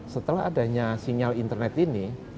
setelah adanya sinyal internet ini